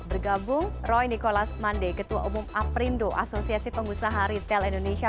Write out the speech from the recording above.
bergabung roy nikolas mande ketua umum aprindo asosiasi pengusaha retail indonesia